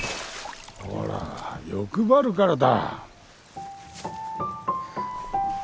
ほら欲張るからだ。